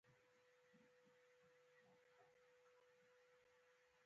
د حالاتو په تغير سره هر څه بدل شول .